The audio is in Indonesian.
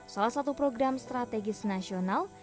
salah satu program strategis nasional